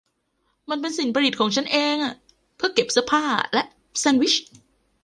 มันเป็นสิ่งประดิษฐ์ของฉันเอง เพื่อเก็บเสื้อผ้าและแซนด์วิช